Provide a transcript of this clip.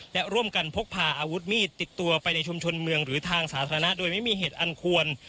และร่วมกันพกพาอาวุธมีดติดตัวไปในชุมชนเมืองหรือทางสาธารณะโดยไม่มีเหตุอันควร